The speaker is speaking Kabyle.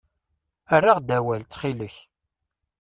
Err-aɣ-d awal, ttxil-k.